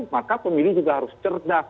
maka pemilih juga harus cerdas